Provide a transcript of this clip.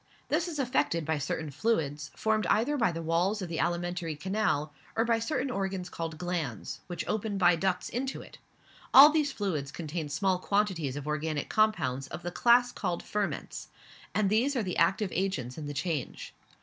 This is effected by certain fluids, formed either by the walls of the alimentary canal or by certain organs called glands, which open by ducts into it; all these fluids contain small quantities of organic compounds of the class called ferments, and these are the active agents in the change.